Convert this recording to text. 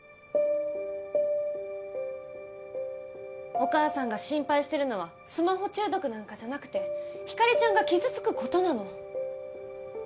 お母さんが心配してるのはスマホ中毒なんかじゃなくて星ちゃんが傷つくことなの。